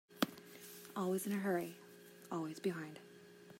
Always in a hurry, always behind.